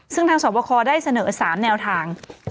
ซึ่งทางสอบคอได้เสนอ๓แนวทาง